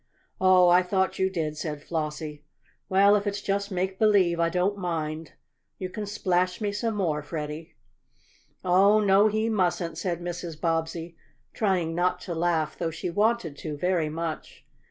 "Oh, I thought you did," said Flossie. "Well, if it's just make believe I don't mind. You can splash me some more, Freddie." "Oh, no he mustn't!" said Mrs. Bobbsey, trying not to laugh, though she wanted to very much.